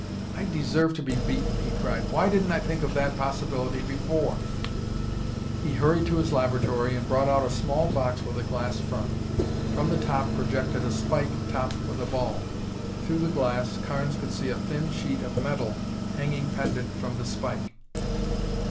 "I deserve to be beaten," he cried. "Why didn't I think of that possibility before?" He hurried into his laboratory and brought out a small box with a glass front. From the top projected a spike topped with a ball. Through the glass, Carnes could see a thin sheet of metal hanging pendant from the spike.